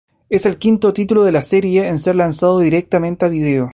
Es el quinto título de la serie en ser lanzado directamente a video.